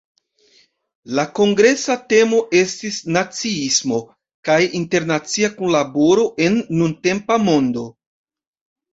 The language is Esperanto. La kongresa temo estis "Naciismo kaj internacia kunlaboro en nuntempa mondo".